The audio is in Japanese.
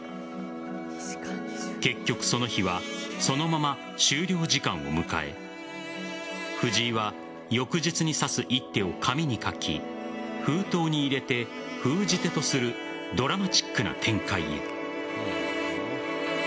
結局、その日はそのまま終了時間を迎え藤井は翌日に指す一手を紙に書き封筒に入れて封じ手とするドラマチックな展開へ。